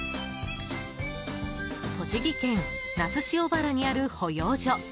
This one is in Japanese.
栃木県那須塩原にある保養所